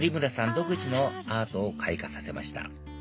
独自のアートを開花させました